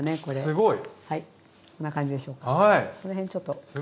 すごい！